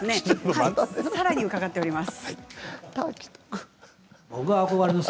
さらに伺っております。